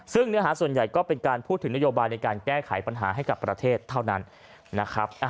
ซึ่งเนื้อหาส่วนใหญ่ก็เป็นการพูดถึงนโยบายในการแก้ไขปัญหาให้กับประเทศเท่านั้นนะครับ